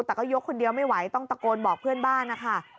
แต่ก็ยกคนเดียวไม่ไหวต้องตะโกนบอกเพื่อนบ้านนะคะ